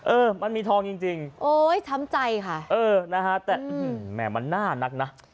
เออมันมีทองจริงโอ้ยช้ำใจค่ะเออนะฮะแต่แหม่มันน่านักนะ